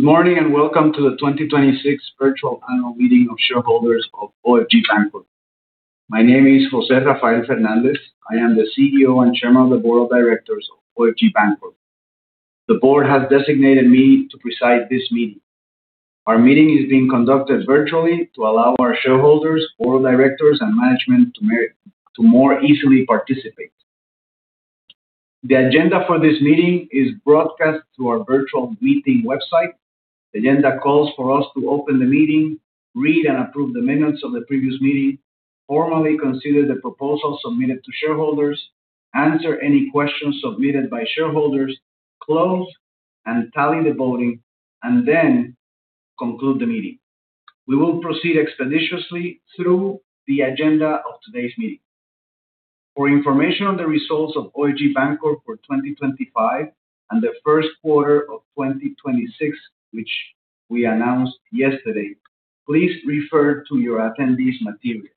Good morning, and welcome to the 2026 virtual annual meeting of shareholders of OFG Bancorp. My name is José Rafael Fernández I am the CEO and Chairman of the board of directors of OFG Bancorp. The board has designated me to preside this meeting our meeting is being conducted virtually to allow our shareholders, board of directors, and management to more easily participate. The agenda for this meeting is broadcast to our virtual meeting website. The agenda calls for us to open the meeting, read and approve the minutes of the previous meeting, formally consider the proposals submitted to shareholders, answer any questions submitted by shareholders, close and tally the voting, and then conclude the meeting. We will proceed expeditiously through the agenda of today's meeting. For information on the results of OFG Bancorp for 2025 and the first quarter of 2026, which we announced yesterday, please refer to your attendees' materials.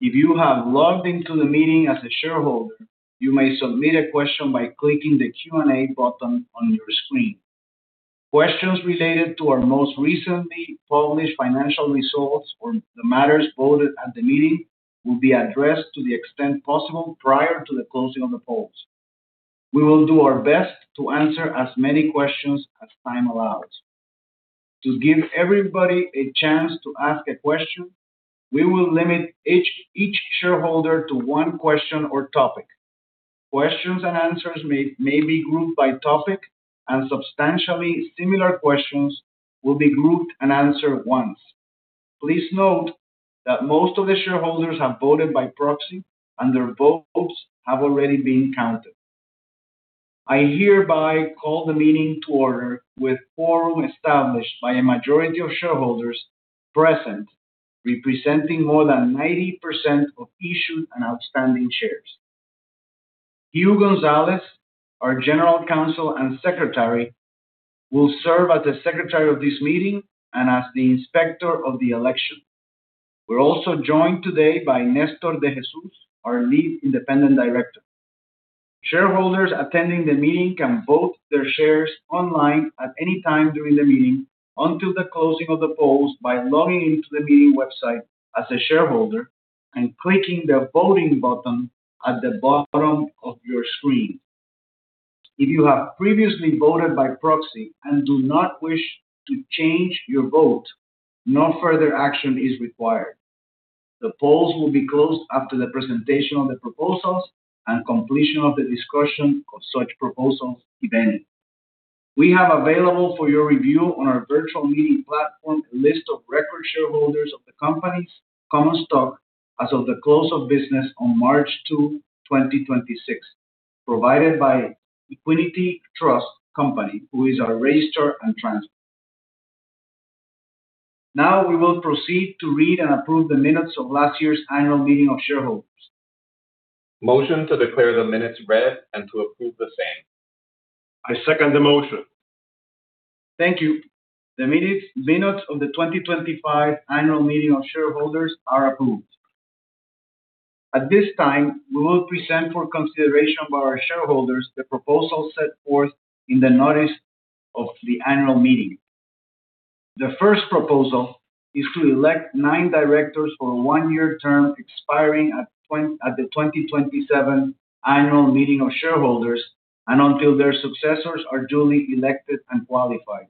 If you have logged into the meeting as a shareholder, you may submit a question by clicking the Q&A button on your screen. Questions related to our most recently published financial results or the matters voted at the meeting will be addressed to the extent possible prior to the closing of the polls. We will do our best to answer as many questions as time allows. To give everybody a chance to ask a question we will limit each shareholder to one question or topic. Questions and answers may be grouped by topic, and substantially similar questions will be grouped and answered once. Please note that most of the shareholders have voted by proxy and their votes have already been counted. I hereby call the meeting to order with forum established by a majority of shareholders present, representing more than 90% of issued and outstanding shares. Hugh González, our General Counsel and Secretary, will serve as the secretary of this meeting and as the inspector of the election. We're also joined today by Néstor de Jesús, our Lead Independent Director. Shareholders attending the meeting can vote their shares online at any time during the meeting until the closing of the polls by logging into the meeting website as a shareholder and clicking the voting button at the bottom of your screen. If you have previously voted by proxy and do not wish to change your vote, no further action is required. The polls will be closed after the presentation of the proposals and completion of the discussion of such proposals if any. We have available for your review on our virtual meeting platform a list of record shareholders of the company's common stock as of the close of business on March 2, 2026, provided by Equiniti Trust Company, who is our registrar and transfer agent. We will proceed to read and approve the minutes of last year's annual meeting of shareholders. Motion to declare the minutes read and to approve the same. I second the motion. Thank you. The minutes of the 2025 annual meeting of shareholders are approved. At this time, we will present for consideration by our shareholders the proposals set forth in the notice of the annual meeting. The first proposal is to elect nine directors for a one-year term expiring at the 2027 annual meeting of shareholders and until their successors are duly elected and qualified.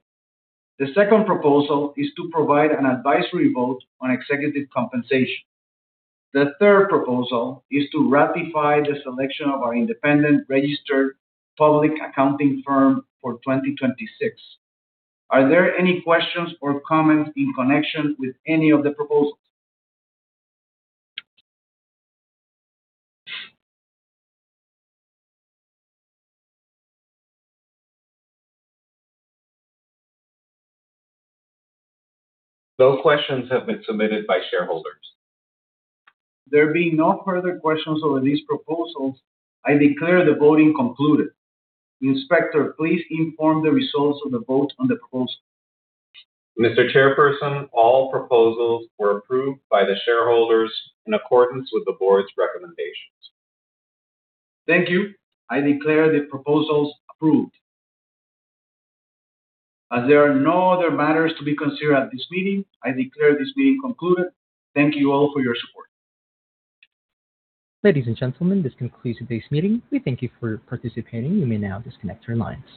The second proposal is to provide an advisory vote on executive compensation. The third proposal is to ratify the selection of our independent registered public accounting firm for 2026. Are there any questions or comments in connection with any of the proposals? No questions have been submitted by shareholders. There being no further questions over these proposals, I declare the voting concluded. Inspector, please inform the results of the vote on the proposals. Mr. Chairperson, all proposals were approved by the shareholders in accordance with the board's recommendations. Thank you. I declare the proposals approved. As there are no other matters to be considered at this meeting, I declare this meeting concluded. Thank you all for your support. Ladies and gentlemen, this concludes today's meeting. We thank you for participating. You may now disconnect your lines.